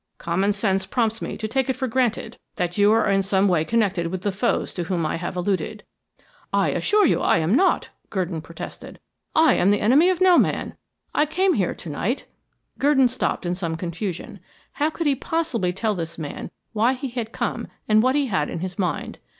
Common sense prompts me to take it for granted that you are in some wry connected with the foes to whom I have alluded." "I assure you, I am not," Gurdon protested. "I am the enemy of no man. I came here to night " Gurdon stopped in some confusion. How could he possibly tell this man why he had come and what he had in his mind?